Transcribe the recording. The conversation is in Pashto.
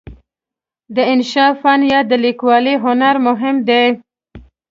د انشأ فن یا د لیکوالۍ هنر مهم دی.